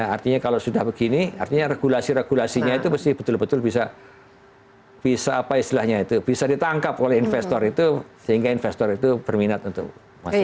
artinya kalau sudah begini artinya regulasi regulasinya itu mesti betul betul bisa apa istilahnya itu bisa ditangkap oleh investor itu sehingga investor itu berminat untuk masuk